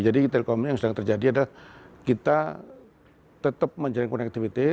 jadi telkom yang sedang terjadi adalah kita tetap menjadikan connectivity